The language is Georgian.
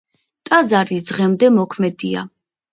ტაძარი დღემდე მოქმედია.